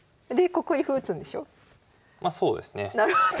なるほど。